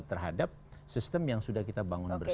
terhadap sistem yang sudah kita bangun bersama